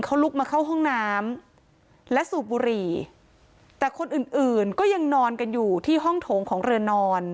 เขาลุกมาเข้าห้องน้ำและสูบบุหรี่แต่คนอื่นอื่นก็ยังนอนกันอยู่ที่ห้องโถงของเรือนอน